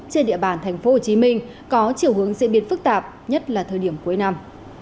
trên địa bàn tp hcm có chiều hướng diễn biến phức tạp nhất là thời điểm cuối năm